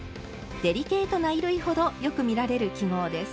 デリケートな衣類ほどよく見られる記号です。